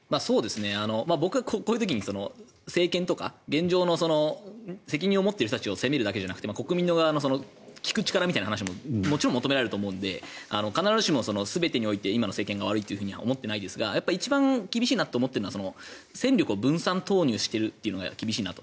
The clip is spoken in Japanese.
僕はこういう時に政権とか現状の責任を持ってる人たちを責めるだけじゃなくて国民の側の聞く力みたいなことももちろん求められると思うので必ずしも全てにおいて今の政権が悪いとは思っていないですが一番厳しいと思うのは戦力を分散投入してるのが厳しいなと。